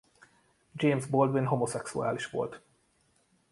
James Baldwin homoszexuális volt.